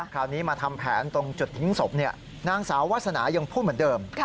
คราวนี้มาทำแผนตรงจุดทิ้งศพนางสาววาสนายังพูดเหมือนเดิม